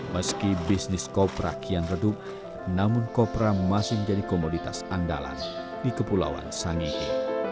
meski bisnis kopra kian redup namun kopra masih menjadi komoditas andalan di kepulauan sangihe